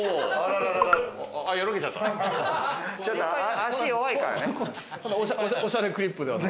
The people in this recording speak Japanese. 足、弱いからね。